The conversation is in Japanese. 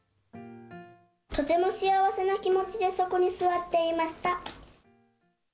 とても幸せな気持ちでそこに座っていました。